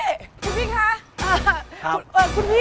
เอ่อขุนพี่